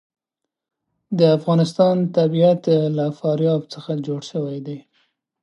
د افغانستان طبیعت له فاریاب څخه جوړ شوی دی.